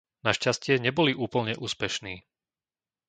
Našťastie neboli úplne úspešní.